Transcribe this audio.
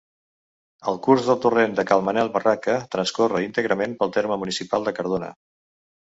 El curs del Torrent de Cal Manel Barraca transcorre íntegrament pel terme municipal de Cardona.